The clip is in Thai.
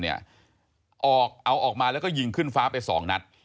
เอาออกมาแล้วก็ยิงขึ้นฟ้าไปสองนัด